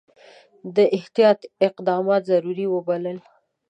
ده احتیاطي اقدامات ضروري وبلل.